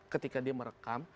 ketika dia merekam